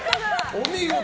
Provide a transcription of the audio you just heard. お見事！